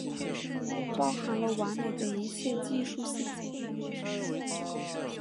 包含了完美的一切技术细节